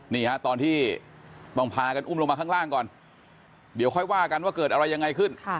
นี่ฮะตอนที่ต้องพากันอุ้มลงมาข้างล่างก่อนเดี๋ยวค่อยว่ากันว่าเกิดอะไรยังไงขึ้น